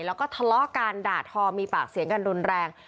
แล้วก็ทะเลาะกันด่าทอมีปากเสียงกันรุนแรง